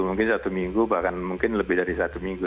mungkin satu minggu bahkan mungkin lebih dari satu minggu